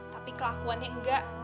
tapi kelakuannya enggak